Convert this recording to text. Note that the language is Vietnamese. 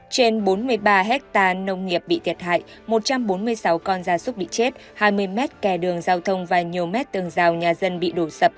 trên bốn mươi ba hectare nông nghiệp bị thiệt hại một trăm bốn mươi sáu con da súc bị chết hai mươi mét kè đường giao thông và nhiều mét tường rào nhà dân bị đổ sập